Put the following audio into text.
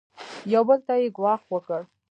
یو بل ته یې ګواښ وکړ.